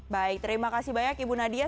baik terima kasih banyak ibu nadia